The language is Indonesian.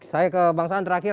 saya ke bang saan terakhir